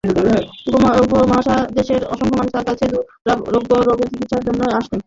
উপমহাদেশের অসংখ্য মানুষ তার কাছে দুরারোগ্য রোগের চিকিৎসার জন্য আসতেন।